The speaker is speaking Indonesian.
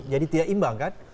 jadi tidak imbangkan